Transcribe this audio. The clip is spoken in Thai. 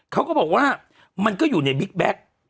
เขาก็บอกว่ามันก็อยู่ในบิ๊กแบ็ค